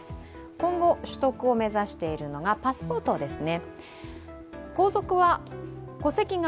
今後取得を目指しているのがパスポートですね。